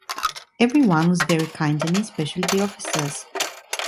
Every one was very kind to me, especially the officers.